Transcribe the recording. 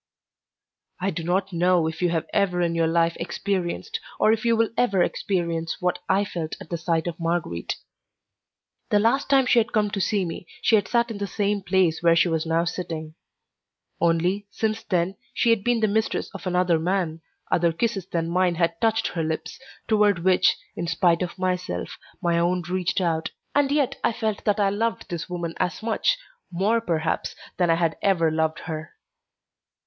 I do not know if you have ever in your life experienced, or if you will ever experience, what I felt at the sight of Marguerite. The last time she had come to see me she had sat in the same place where she was now sitting; only, since then, she had been the mistress of another man, other kisses than mine had touched her lips, toward which, in spite of myself, my own reached out, and yet I felt that I loved this woman as much, more perhaps, than I had ever loved her.